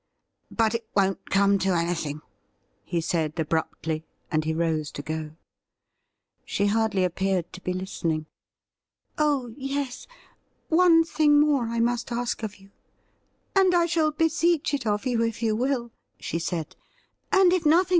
' But it won't come to anything,' he said abruptly, and he rose to go. She hardly appeared to be listening. ' Oh yes, one thing more I must ask of you ; and I shall beseech it of you, if you will,' she said, ' and if nothing.